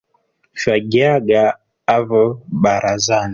Fyagiaga avo barazani.